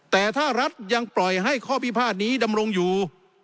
แต่ถ้ารัฐยังปล่อยให้ข้อพิพาทนี้ดำรงอยู่